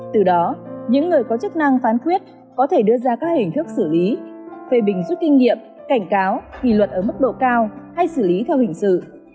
từ đó những người có chức năng phán quyết có thể đưa ra các hình thức xử lý phê bình rút kinh nghiệm cảnh cáo kỳ luật ở mức độ cao hay xử lý theo hình sự